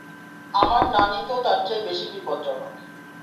আমার নানি তো তার চেয়ে বেশি বিপজ্জনক।